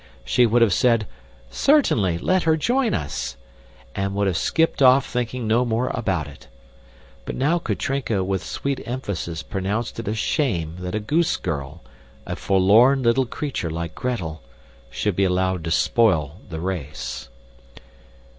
She would have said, "Certainly, let her join us," and would have skipped off thinking no more about it. But now Katrinka with sweet emphasis pronounced it a shame that a goose girl, a forlorn little creature like Gretel, should be allowed to spoil the race.